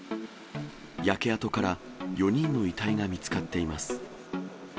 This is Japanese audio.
焼け跡から４人の遺体が見つかっています。